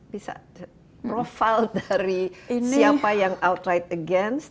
bisa profile dari siapa yang outright against